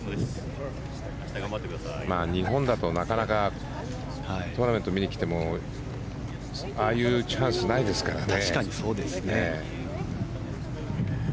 日本だとなかなかトーナメント見に来てもああいうチャンスないですからね。